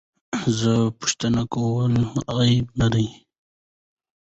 زه پوښتنه کول عیب نه ګڼم.